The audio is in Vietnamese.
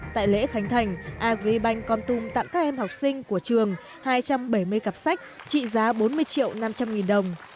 tại lễ khánh thành agribank con tum tặng các em học sinh của trường hai trăm bảy mươi cặp sách trị giá bốn mươi triệu năm trăm linh nghìn đồng